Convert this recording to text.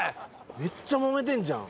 めっちゃもめてんじゃん。